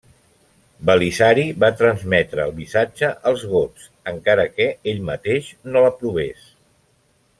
Belisari va transmetre el missatge als gots, encara que ell mateix no l'aprovés.